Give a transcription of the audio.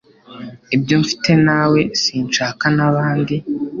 Ibyo mfite nawe, sinshaka nabandi.